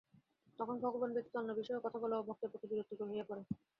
তখন ভগবান ব্যতীত অন্য বিষয়ে কথা বলাও ভক্তের পক্ষে বিরক্তিকর হইয়া পড়ে।